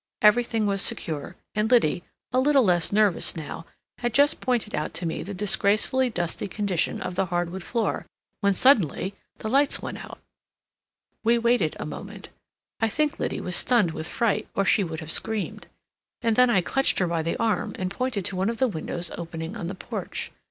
Everything was secure, and Liddy, a little less nervous now, had just pointed out to me the disgracefully dusty condition of the hard wood floor, when suddenly the lights went out. We waited a moment; I think Liddy was stunned with fright, or she would have screamed. And then I clutched her by the arm and pointed to one of the windows opening on the porch.